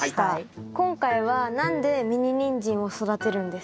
今回は何でミニニンジンを育てるんですか？